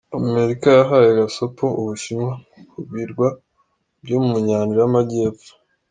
Amerika yahaye gasopo u Bushinwa ku birwa byo mu nyanja y’amajyepfo.